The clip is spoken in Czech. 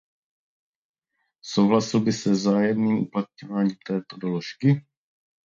Souhlasil by se vzájemným uplatňováním této doložky?